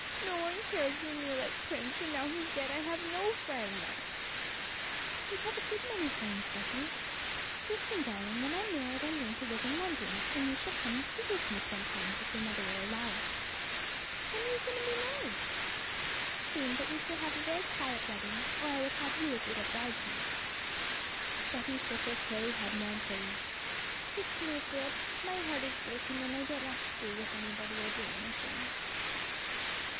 No one cares for me like Prince; and now he's dead I've no friend left!' 'You have a good many friends, Betty. Listen, darling; when I'm married I'm going to live in London, and you shall come and stay with me sometimes, if your mother will allow it.' 'When are you going to be married?' 'Soon; but we shall have a very quiet wedding, or I would have you as a little bridesmaid.' Betty shook her curly head mournfully. 'It's no good, my heart is broken; and I don't want to stay with anybody or do anything.'